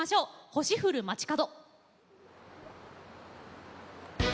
「星降る街角」。